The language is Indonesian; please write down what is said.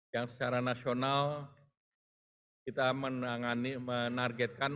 yang secara nasional kita menargetkan